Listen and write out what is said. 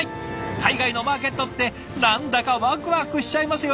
海外のマーケットって何だかワクワクしちゃいますよね。